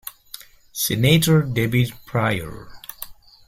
Senator David Pryor.